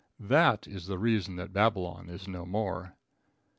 That is the reason that Babylon is no more.